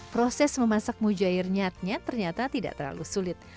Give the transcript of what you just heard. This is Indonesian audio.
proses memasak mujair nyat nyat ternyata tidak terlalu sulit